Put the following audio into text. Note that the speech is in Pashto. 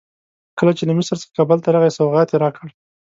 کله چې له مصر څخه کابل ته راغی سوغات یې راکړ.